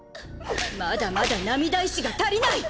まだまだ涙石が足りない。